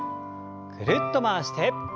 ぐるっと回して。